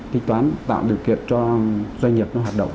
tích toán tạo điều kiện cho doanh nghiệp nó hoạt động